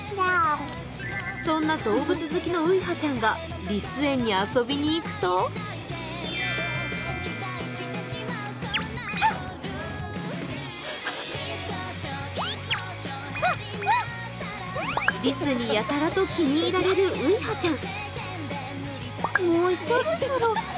そんな動物好きのういはちゃんがりす園に遊びに行くとりすにやたらと気に入られるういはちゃん。